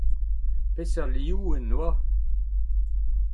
Peseurt liv en doa ?